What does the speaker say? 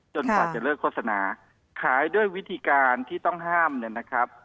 กว่าจะเลิกโฆษณาขายด้วยวิธีการที่ต้องห้ามเนี่ยนะครับ